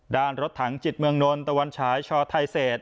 รถถังจิตเมืองนนท์ตะวันฉายชอไทยเศษ